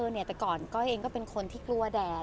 แต่ก่อนก้อยเองก็เป็นคนที่กลัวแดด